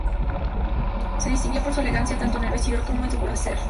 Se distinguió por su elegancia, tanto en el vestir como en su proceder.